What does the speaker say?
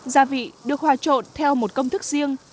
gia vị được hòa trộn theo một công thức riêng